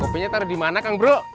kopinya taruh dimana kang bro